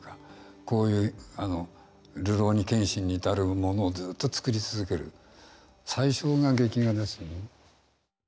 こういう「るろうに剣心」に至るものをずっと作り続ける最初が劇画ですよね。